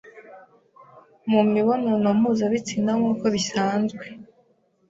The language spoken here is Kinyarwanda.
mu mibonano mpuzabitsina nk’uko bisazwe,